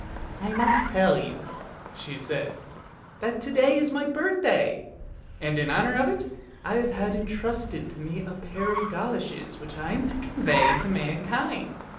" I must tell you," she said, " that to day is my birthday, and in honour of it I have had intrusted to me a pair of goloshes which I am to convey to mankind.